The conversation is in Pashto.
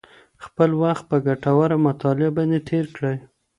خپل وخت په ګټوره مطالعه باندې تېر کړئ.